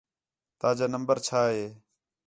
تا جا نمبر چَھا ہے؟